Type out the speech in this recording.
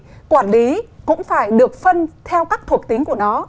cái quản lý cũng phải được phân theo các thuộc tính của nó